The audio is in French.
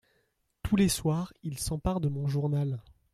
Tous les soirs, il s’empare de mon journal…